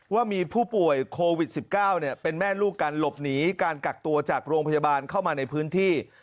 ว่ามีผู้ป่วยโควิด๑๙เป็นแม่ลูกกันหลบหนีการกักตัวจากโรงพยาบาลเข้ามาในพื้นที่